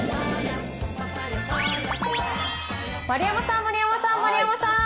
丸山さん、丸山さん、丸山さん。